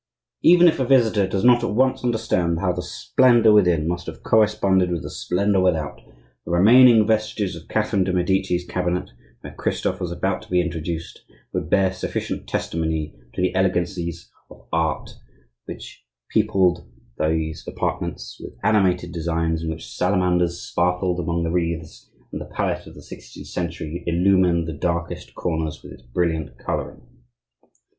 Even if a visitor does not at once understand how the splendor within must have corresponded with the splendor without, the remaining vestiges of Catherine de' Medici's cabinet, where Christophe was about to be introduced, would bear sufficient testimony to the elegances of Art which peopled these apartments with animated designs in which salamanders sparkled among the wreaths, and the palette of the sixteenth century illumined the darkest corners with its brilliant coloring.